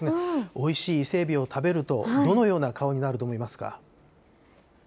おいしい伊勢えびを食べると、どのような顔になると思いますか？